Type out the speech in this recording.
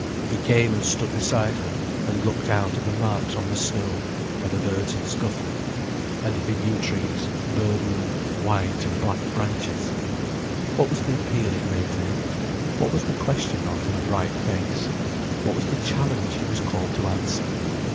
He came and stood beside her and looked out at the marks on the snow where the birds had scuffled, and at the yew trees' burdened, white and black branches. What was the appeal it made to him, what was the question of her bright face, what was the challenge he was called to answer?